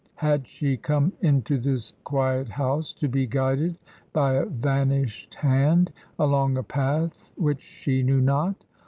Had she come into this quiet house to be guided, by a vanished hand, along a path which she knew not?